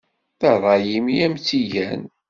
D ṛṛay-im i am-tt-igan.